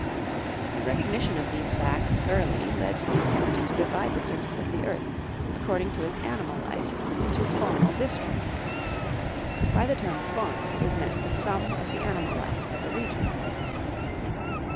The recognition of these facts early led to the attempt to divide the surface of the earth, according to its animal life, into ' f aunal ' districts. By the term fauna is meant the sum of the animal life of a region.